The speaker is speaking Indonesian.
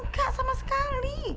gak sama sekali